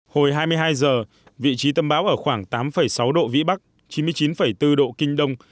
hồi hai mươi hai giờ vị trí tâm bão ở khoảng tám sáu độ vĩ bắc chín mươi chín bốn độ kinh đông